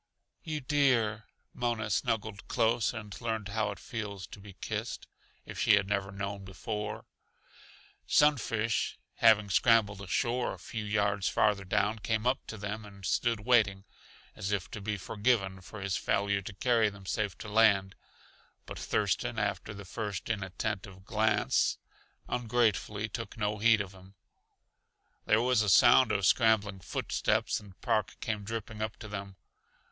"You dear!" Mona snuggled close and learned how it feels to be kissed, if she had never known before. Sunfish, having scrambled ashore a few yards farther down, came up to them and stood waiting, as if to be forgiven for his failure to carry them safe to land, but Thurston, after the first inattentive glance, ungratefully took no heed of him. There was a sound of scrambling foot steps and Park came dripping up to them.